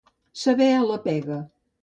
Saber a la pega.